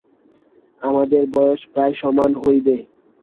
আমাদের বয়স প্রায় সমান হইবে।